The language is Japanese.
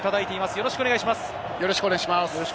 よろしくお願いします。